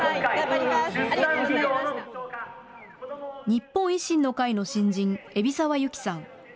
日本維新の会の新人、海老澤由紀さん。